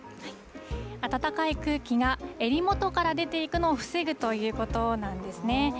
温かい空気が襟元から出ていくのを防ぐということなんですね。